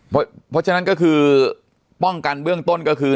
เพราะฉะนั้นก็คือป้องกันเบื้องต้นก็คือ